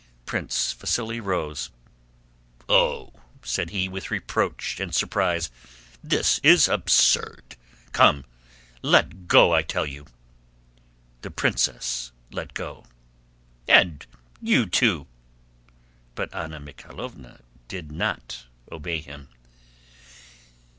Prince Vasíli rose. "Oh!" said he with reproach and surprise, "this is absurd! Come, let go I tell you." The princess let go. "And you too!" But Anna Mikháylovna did not obey him.